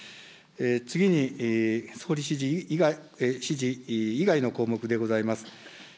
次に総理指示以外の項目でございます。